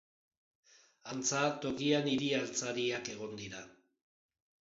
Antza, tokian hiri-altzariak egon dira.